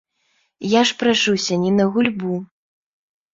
Я ж прашуся не на гульбу.